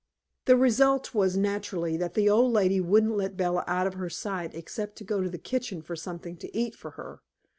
The result was, naturally, that the old lady wouldn't let Bella out of her sight, except to go to the kitchen for something to eat for her.